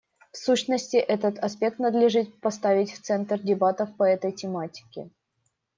В сущности, этот аспект надлежит поставить в центр дебатов по этой тематике.